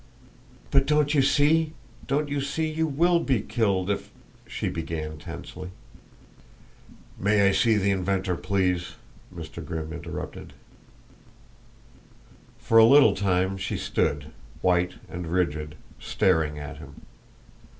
"But don't you see don't you see you will be killed if ?" she began tensely. "May I see the inventor, please?" Mr. Grimm interrupted. For a little time she stood, white and rigid, staring at him.